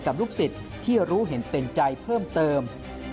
ลูกศิษย์ที่รู้เห็นเป็นใจเพิ่มเติม